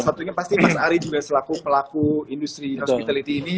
satunya pasti mas ari juga selaku pelaku industri hospitality ini